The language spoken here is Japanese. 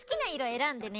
えらんでね。